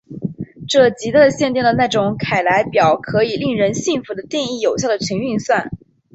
这极大的限定了那种凯莱表可以令人信服的定义有效的群运算。